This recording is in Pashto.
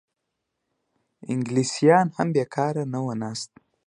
انګلیسیان هم بېکاره نه وو ناست.